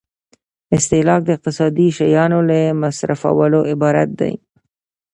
استهلاک د اقتصادي شیانو له مصرفولو عبارت دی.